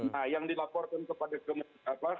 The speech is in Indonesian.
nah yang dilaporkan kepada pemerintah